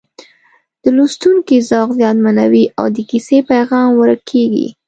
د لوستونکي ذوق زیانمنوي او د کیسې پیغام ورک کېږي